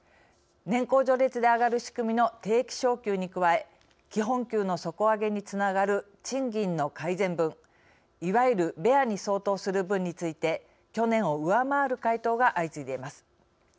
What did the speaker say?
年功序列で上がる仕組みの定期昇給に加え基本給の底上げにつながる賃金の改善分、いわゆるベアに相当する分について去年を上回る回答が相次いでいます。